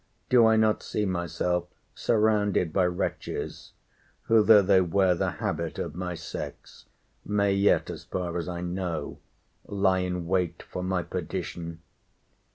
—Do I not see myself surrounded by wretches, who, though they wear the habit of my sex, may yet, as far as I know, lie in wait for my perdition?